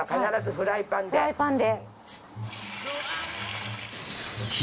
フライパンで。